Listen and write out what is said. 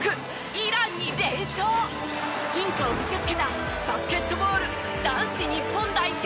進化を見せつけたバスケットボール男子日本代表。